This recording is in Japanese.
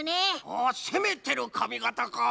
ああせめてるかみがたか。